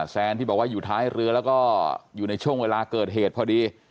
แซนที่บอกว่าอยู่ท้ายเรือแล้วก็อยู่ในช่วงเวลาเกิดเหตุพอดี